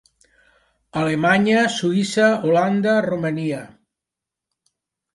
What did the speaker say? Alemanya, Suïssa, Holanda, Romania.